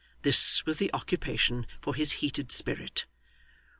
This was the occupation for his heated spirit.